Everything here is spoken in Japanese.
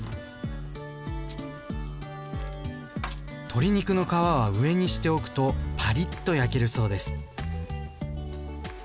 鶏肉の皮は上にしておくとパリッと焼けるそうです。